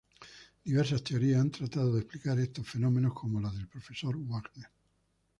Diversas teorías han tratado de explicar estos fenómenos como la del Profesor Wagner.